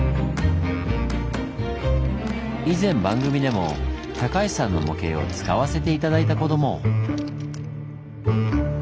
以前番組でも高橋さんの模型を使わせて頂いたことも！